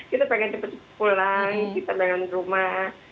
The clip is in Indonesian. kita pengen cepat pulang kita pengen ke rumah